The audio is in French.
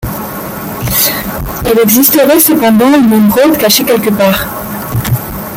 Il existerait cependant une émeraude cachée quelque part.